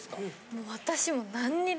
もう私も。